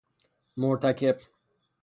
مرتکب